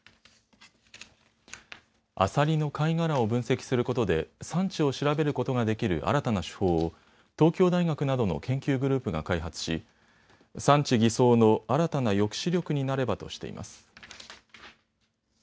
アサリの貝殻を分析することで産地を調べることができる新たな手法を東京大学などの研究グループが開発し産地偽装の新たな抑止力になればとしています。